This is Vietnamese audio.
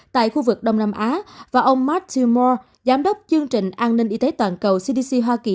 tại khu vực đông nam á và ông mart jumo giám đốc chương trình an ninh y tế toàn cầu cdc hoa kỳ